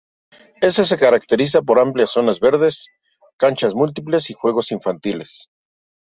Este se caracteriza por amplias zonas verdes, canchas múltiples y juegos infantiles.